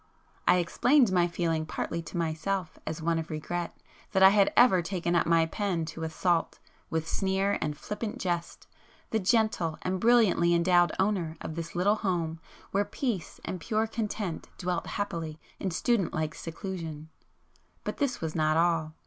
I explained my feeling partly to myself as one of regret that I had ever taken up my pen to assault, with sneer and flippant jest, the gentle and brilliantly endowed owner of this little home where peace and pure content dwelt happily in student like seclusion;—but this was not all.